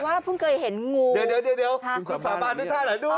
เพิ่งเคยเห็นงูเดี๋ยวสาบานด้วยท่าไหนดู